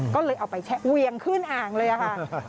ก็เลยเอาไปแชะเวียงขึ้นอ่างเลยค่ะ